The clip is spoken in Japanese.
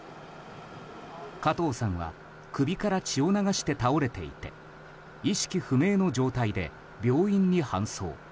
加藤さんは首から血を流して倒れていて意識不明の状態で病院に搬送。